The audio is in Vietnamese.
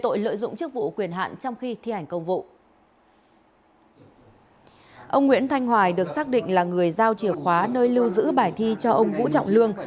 ông nguyễn thanh hoài được xác định là người giao chìa khóa nơi lưu giữ bài thi cho ông vũ trọng lương